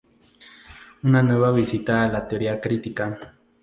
Una nueva visita a la teoría crítica".